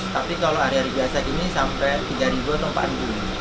tapi kalau hari hari biasa gini sampai tiga ribu atau empat ribu